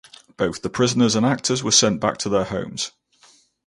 Both the prisoners and actors were sent back to their homes.